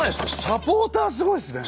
サポーターすごいですね。